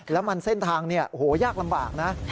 แล้วมันเส้นทางเนี่ยโอ้โหยากลำบากนะ